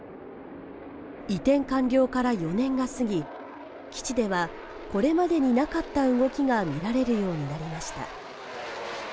移転完了から４年が過ぎ基地ではこれまでになかった動きが見られるようになりました